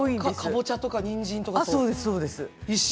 かぼちゃとかにんじんとかと一緒？